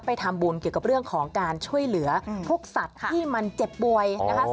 ไปทำบุญเกี่ยวกับเรื่องของการช่วยเหลือพวกสัตว์ที่มันเจ็บป่วยนะคะ